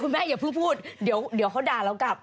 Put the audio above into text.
คุณแม่เดี๋ยวเขาด่าแล้วกลับ